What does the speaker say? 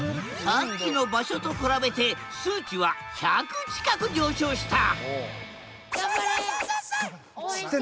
さっきの場所と比べて数値は１００近く上昇した！